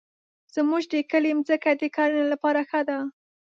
زمونږ د کلي مځکه د کرنې لپاره ښه ده.